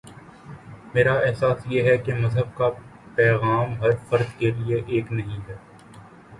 میرا احساس یہ ہے کہ مذہب کا پیغام ہر فرد کے لیے ایک نہیں ہے۔